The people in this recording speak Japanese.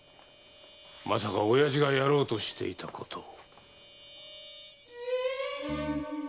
まさか親父がやろうとしていたことを。